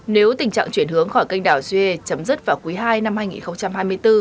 nếu tình trạng chuyển hướng khỏi kênh đà xuyê chấm dứt vào cuối hai năm hai nghìn hai mươi bốn